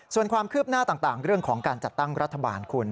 ส่วนความคืบหน้าต่างเรื่องของการจัดตั้งรัฐบาลคุณ